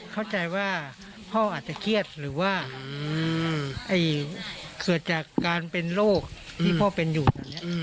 เข้าใจว่าพ่ออาจจะเครียดหรือว่าเกิดจากการเป็นโรคที่พ่อเป็นอยู่ตอนนี้